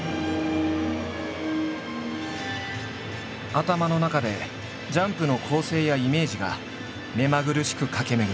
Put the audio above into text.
頭の中でジャンプの構成やイメージが目まぐるしく駆け巡る。